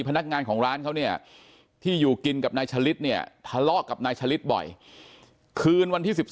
พนักงานของร้านเขาเนี่ยที่อยู่กินกับนายชะลิดเนี่ยทะเลาะกับนายฉลิดบ่อยคืนวันที่๑๓